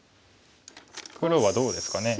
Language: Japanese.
黒はどうですかね。